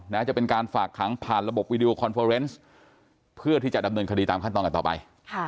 จะเป็นการฝากขังผ่านระบบวิดีโอคอนเฟอร์เนส์เพื่อที่จะดำเนินคดีตามขั้นตอนกันต่อไป